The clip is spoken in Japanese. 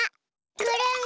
くるん。